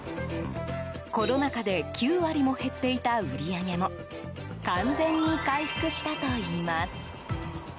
コロナ禍で９割も減っていた売り上げも完全に回復したといいます。